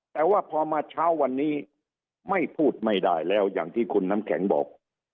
แต่ว่าพอมาเช้าวันนี้ไม่พูดไม่ได้แล้วอย่างที่คุณน้ำแข็งบอก